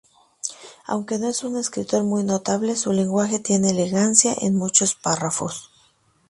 Aunque no es un escritor muy notable, su lenguaje tiene elegancia en muchos párrafos.